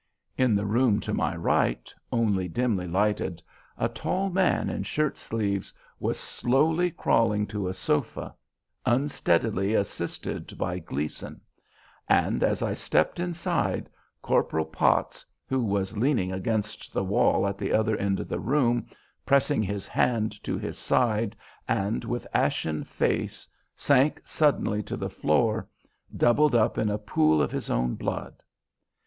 In the room to my right, only dimly lighted, a tall man in shirt sleeves was slowly crawling to a sofa, unsteadily assisted by Gleason; and as I stepped inside, Corporal Potts, who was leaning against the wall at the other end of the room pressing his hand to his side and with ashen face, sank suddenly to the floor, doubled up in a pool of his own blood.